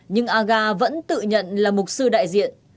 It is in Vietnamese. nhưng aga vẫn tự nhận là mục sư đại diện